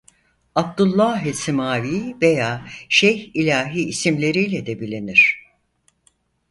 Abdullah-ı Simavi veya Şeyh İlahi isimleriyle de bilinir.